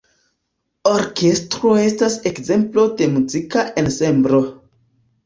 Orkestro estas ekzemplo de muzika ensemblo.